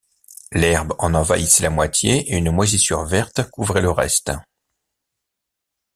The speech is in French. L’herbe en envahissait la moitié et une moisissure verte couvrait le reste.